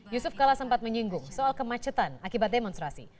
yusuf kala sempat menyinggung soal kemacetan akibat demonstrasi